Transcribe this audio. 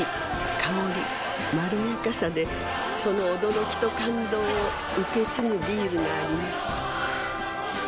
香りまろやかさでその驚きと感動を受け継ぐビールがあります